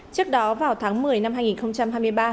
trước đó vào tháng một mươi năm hai nghìn một mươi chín